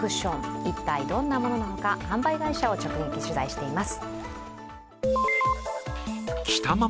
一体どんなものなのか販売会社を直撃しています。